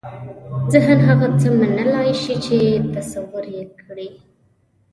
ذهن هغه څه منلای شي چې تصور یې کړي.